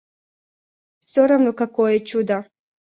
Все равно какое чудо.